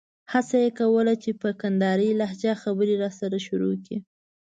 هڅه یې کوله چې په کندارۍ لهجه خبرې راسره شروع کړي.